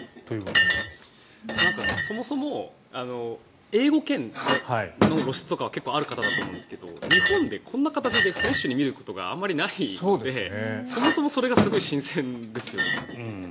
そもそも英語圏の露出とかは結構ある方だと思うんですけど日本でこんな形でフレッシュに見ることがあまりないので、そもそもそれがすごい新鮮ですよね。